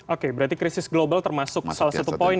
oke berarti krisis global termasuk salah satu poin